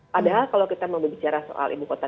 padahal kalau kita mau bicara soal ibu kota